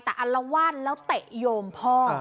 แต่อัลวาดแล้วเตะโยมพ่อ